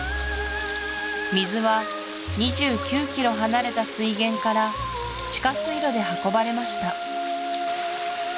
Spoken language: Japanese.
水は２９キロ離れた水源から地下水路で運ばれました